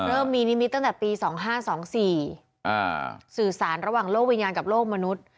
เริ่มมีนิมิตตั้งแต่ปี๒๕๒๔สื่อสารระหว่างโลกวิญญาณกับโลกมนุษย์